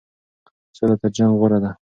سوله تر جنګ غوره ده.